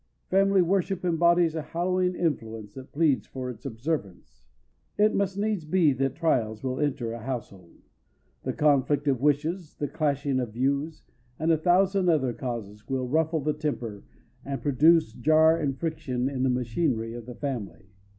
Family worship embodies a hallowing influence that pleads for its observance. It must needs be that trials will enter a household. The conflict of wishes, the clashing of views, and a thousand other causes, will ruffle the temper, and produce jar and friction in the machinery of the family.